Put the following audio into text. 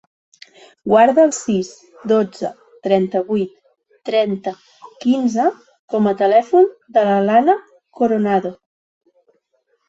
Guarda el sis, dotze, trenta-vuit, trenta, quinze com a telèfon de l'Alana Coronado.